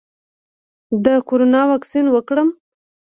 د کرونا واکسین وکړم؟